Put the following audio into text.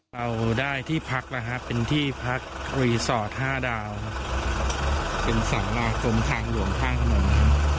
เราได้ที่พักนะฮะเป็นที่พักห้าดาวเป็นสารากลมทางหลวงข้างถนนนะครับ